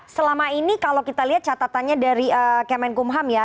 selama ini kalau kita lihat catatannya dari kemenkumham ya